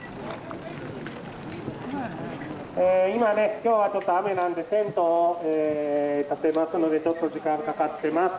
今ね今日はちょっと雨なんでテントを立てますのでちょっと時間かかってます。